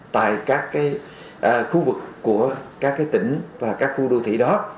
tại các khu vực của các tỉnh và các khu đô thị đó